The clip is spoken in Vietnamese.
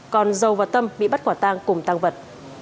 còn dầu và tâm bị bắt quả tang cùng tăng vật